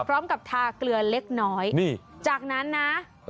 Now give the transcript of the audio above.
พร้อมกับทาเกลือเล็กน้อยจากนั้นนะ